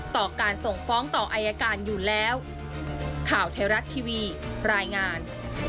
ต่อการส่งฟ้องต่ออายการอยู่แล้วข่าวไทยรัฐทีวีรายงาน